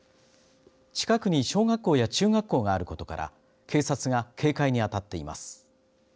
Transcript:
近くに小学校や中学校があることから警察が警戒に当たっています。